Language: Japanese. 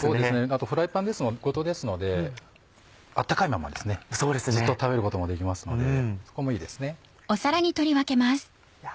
あとフライパンごとですので温かいままずっと食べることもできますのでそこもいいですね。